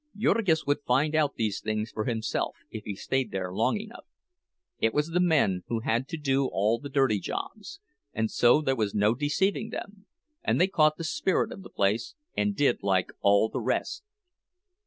Jurgis would find out these things for himself, if he stayed there long enough; it was the men who had to do all the dirty jobs, and so there was no deceiving them; and they caught the spirit of the place, and did like all the rest.